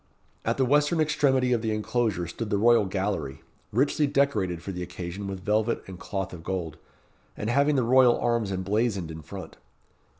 At the western extremity of the inclosure stood the royal gallery, richly decorated for the occasion with velvet and cloth of gold, and having the royal arms emblazoned in front.